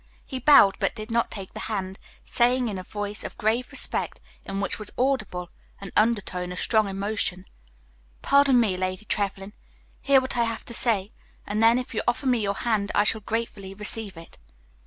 He bowed but did not take the hand, saying, in a voice of grave respect in which was audible an undertone of strong emotion, "Pardon me, Lady Trevlyn. Hear what I have to say; and then if you offer me your hand, I shall gratefully receive it."